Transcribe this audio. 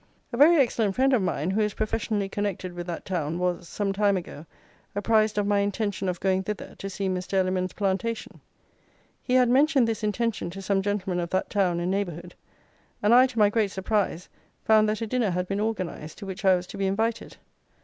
A very excellent friend of mine, who is professionally connected with that town, was, some time ago, apprised of my intention of going thither to see Mr. Elliman's plantation. He had mentioned this intention to some gentlemen of that town and neighbourhood; and I, to my great surprise, found that a dinner had been organized, to which I was to be invited.